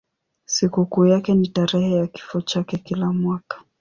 Sikukuu yake ni tarehe ya kifo chake kila mwaka.